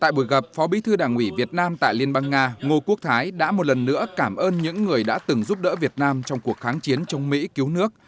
tại buổi gặp phó bí thư đảng ủy việt nam tại liên bang nga ngô quốc thái đã một lần nữa cảm ơn những người đã từng giúp đỡ việt nam trong cuộc kháng chiến chống mỹ cứu nước